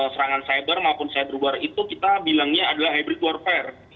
serangan cyber maupun cyber war itu kita bilangnya adalah hybrid warfare